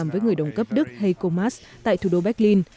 với người đồng cấp đức heiko maas tại thủ đô berlin